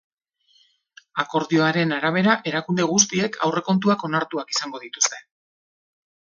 Akordioaren arabera, erakunde guztiek aurrekontuak onartuak izango dituzte.